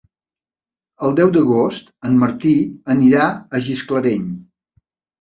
El deu d'agost en Martí anirà a Gisclareny.